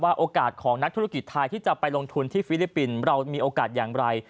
โอกาสของนักธุรกิจไทยที่จะไปลงทุนที่ฟิลิปปินส์เรามีโอกาสอย่างไร